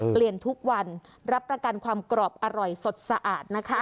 ทุกวันรับประกันความกรอบอร่อยสดสะอาดนะคะ